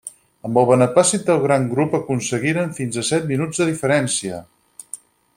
Amb el beneplàcit del gran grup aconseguiren fins a set minuts de diferència.